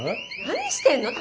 何してんの？